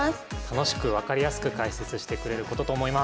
楽しく分かりやすく解説してくれることと思います。